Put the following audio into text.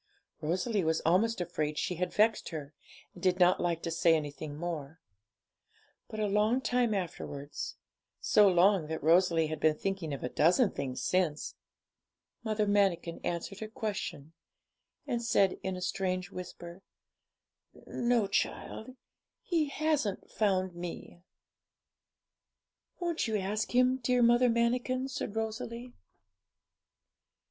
Rosalie was almost afraid she had vexed her, and did not like to say anything more. But a long time afterwards so long that Rosalie had been thinking of a dozen things since Mother Manikin answered her question, and said in a strange whisper 'No, child; He hasn't found me.' 'Won't you ask Him, dear Mother Manikin?' said Rosalie.